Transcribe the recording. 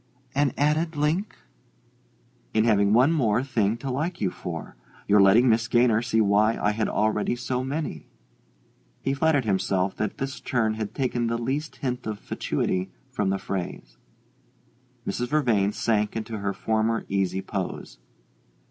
"An added link?" "In having one more thing to like you for your letting Miss Gaynor see why I had already so many." He flattered himself that this turn had taken the least hint of fatuity from the phrase. Mrs. Vervain sank into her former easy pose.